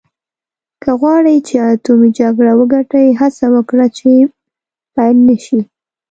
که غواړې چې اټومي جګړه وګټې هڅه وکړه چې پیل نه شي.